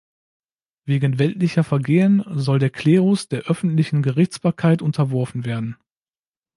Wegen weltlicher Vergehen soll der Klerus der öffentlichen Gerichtsbarkeit unterworfen werden.